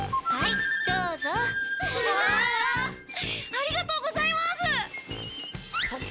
ありがとうございます！